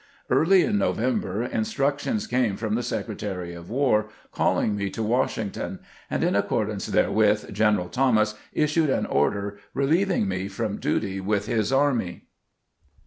Early in November instructions came from the Secretary of "War calling me to Wash ington, and in accordance therewith General Thomas issued an order relieving me from duty with his army.